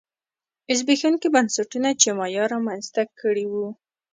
زبېښونکي بنسټونه چې مایا رامنځته کړي وو